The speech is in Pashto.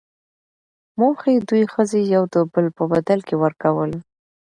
موخۍ، دوې ښځي يو دبل په بدل کي ورکول.